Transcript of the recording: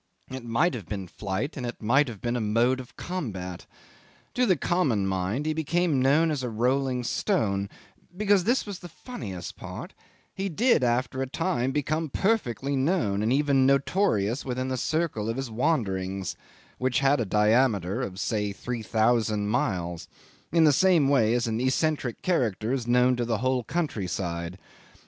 It might have been flight and it might have been a mode of combat. To the common mind he became known as a rolling stone, because this was the funniest part: he did after a time become perfectly known, and even notorious, within the circle of his wanderings (which had a diameter of, say, three thousand miles), in the same way as an eccentric character is known to a whole countryside.